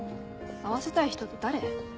会わせたい人って誰？